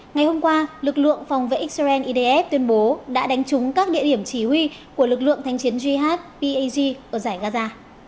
ngày hôm qua lực lượng phòng vệ israel idf tuyên bố đã đánh trúng các địa điểm chỉ huy của lực lượng thanh chiến jhpag ở giải gaza